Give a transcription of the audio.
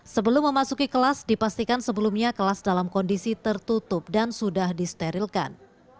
sebelum memasuki kelas dipastikan sebelumnya kelas dalam kondisi tertutup dan sudah disterilkan